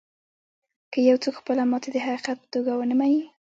که يو څوک خپله ماتې د حقيقت په توګه و نه مني.